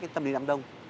tâm lý đám đông